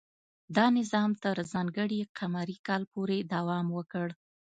دا نظام تر ځانګړي قمري کال پورې دوام وکړ.